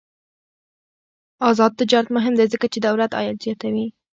آزاد تجارت مهم دی ځکه چې دولت عاید زیاتوي.